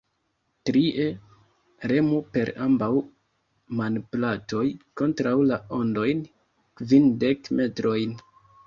Trie: remu per ambaŭ manplatoj kontraŭ la ondojn, kvindek metrojn.